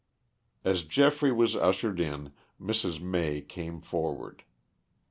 As Geoffrey was ushered in Mrs. May came forward.